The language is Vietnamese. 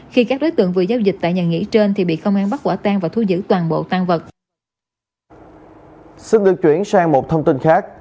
xin được chuyển sang một thông tin khác